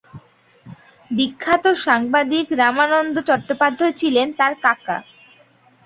বিখ্যাত সাংবাদিক রামানন্দ চট্টোপাধ্যায় ছিলেন তার কাকা।